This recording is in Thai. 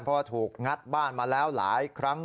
เพราะว่าถูกงัดบ้านมาแล้วหลายครั้ง